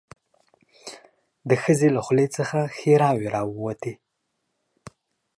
د ښځې له خولې څخه ښيراوې راووتې.